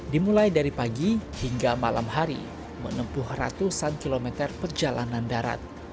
dimulai dari pagi hingga malam hari menempuh ratusan kilometer perjalanan darat